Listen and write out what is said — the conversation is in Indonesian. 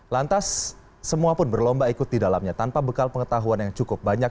lantas semua pun berlomba ikut di dalamnya tanpa bekal pengetahuan yang cukup banyak